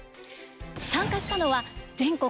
参加したのは全国